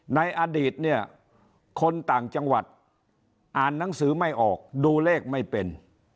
ในอดีตเนี่ยคนต่างจังหวัดอ่านหนังสือไม่ออกดูเลขไม่เป็น